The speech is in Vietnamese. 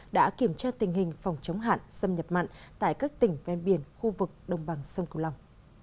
đã kiểm tra tình hình phòng chống hạn xâm nhập mặn tại các tỉnh ven biển khu vực đồng bằng sông cửu long